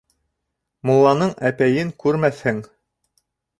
Мулланың әпәйен күрмәҫһең.